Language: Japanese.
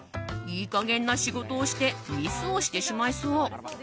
いい加減な仕事をしてミスをしてしまいそう。